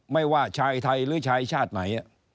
ไม่ว่าชายไทยหรือชายชาติไหน